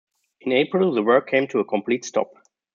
In April, the work came to a complete stop.